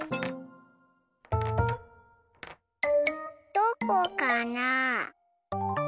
どこかな？